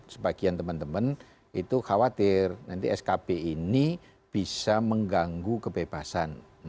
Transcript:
sebagian teman teman itu khawatir nanti skb ini bisa mengganggu kebebasan